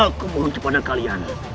aku mohon kepada kalian